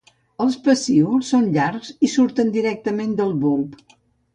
Els pecíols són llargs i surten directament del bulb.